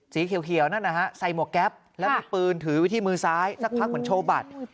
สีเขียวนั่นนะฮะใส่หมวกแก๊ปแล้วมีปืนถือไว้ที่มือซ้ายสักพักเหมือนโชว์บัตร